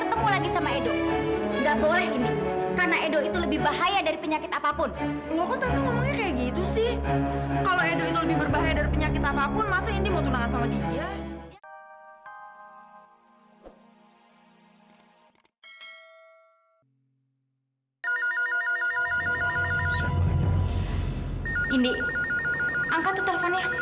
indi angkat tuh teleponnya